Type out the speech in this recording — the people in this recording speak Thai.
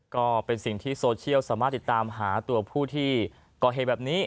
ก็เป็นสิ่งที่โซเชียลสามารถติดตามหาตัวผู้ที่ก่อเหตุแบบนี้